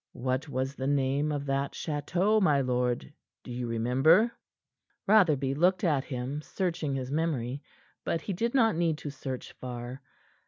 What was the name of that chateau, my lord do you remember?" Rotherby looked at him, searching his memory. But he did not need to search far.